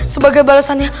sebagai balesan ya